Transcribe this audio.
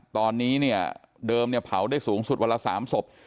ตอนนี้เนี่ยเดิมเนี่ยเผาได้สูงสุดวันละ๓ศพ